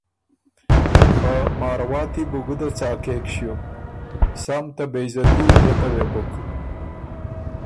خه مارواتی بو ګُده څاکېک ݭیوک سم ته بې عزتي نئته وې بُک۔